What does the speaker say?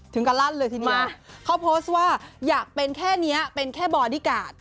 กระลั่นเลยทีนี้เขาโพสต์ว่าอยากเป็นแค่นี้เป็นแค่บอดี้การ์ด